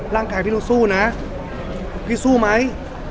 ร่างกายพี่ต้องสู้นะพี่สู้ไหม